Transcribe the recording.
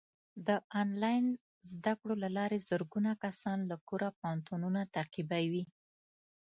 د آنلاین زده کړو له لارې زرګونه کسان له کوره پوهنتونونه تعقیبوي.